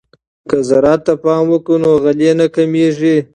که زراعت ته پام وکړو نو غلې نه کمیږي.